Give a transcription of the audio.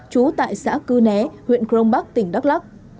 trú tại xã cư né huyện crong bắc tỉnh đắk lắc